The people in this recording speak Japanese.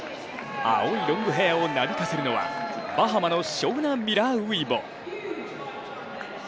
青いロングヘアをなびかせるのはバハマのショウナ・ミラー・ウイボ。